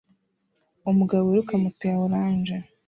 Umugabo wiruka moto ya orange